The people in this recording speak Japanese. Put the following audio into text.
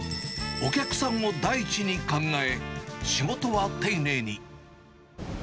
お客さんを第一に考え、仕事は丁寧に。